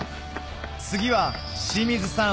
次は清水さん